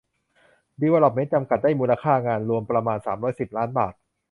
ดีเวลล็อปเมนต์ จำกัด ได้มูลค่างานรวมประมาณ สามร้อยสิบ ล้านบาท